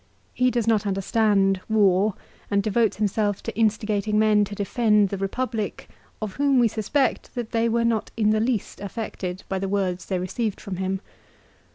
He does not understand war, and devotes himself to instigating men to defend the Eepublic of whom we suspect that they were not in' the least affected by the words they received from him.